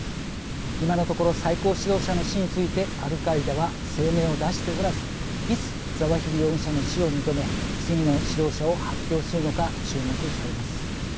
今のところ最高指導者の死についてアルカイダは声明を出しておらずいつザワヒリ容疑者の死を認め次の指導者を発表するのか注目されます。